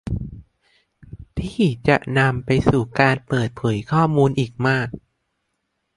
ที่จะนำไปสู่การเปิดเผยข้อมูลอีกมาก